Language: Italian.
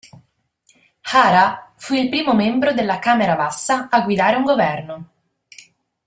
Hara fu il primo membro della camera bassa a guidare un governo.